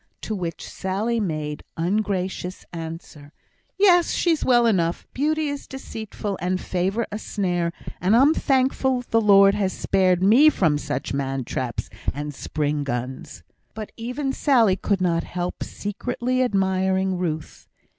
To which Sally made ungracious answer, "Yes! she's well enough. Beauty is deceitful, and favour a snare, and I'm thankful the Lord has spared me from such man traps and spring guns." But even Sally could not help secretly admiring Ruth.